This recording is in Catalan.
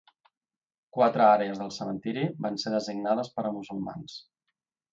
Quatre àrees del cementiri van ser designades per a musulmans.